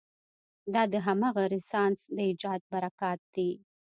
دا د همغه رنسانس د ایجاد براکت دی.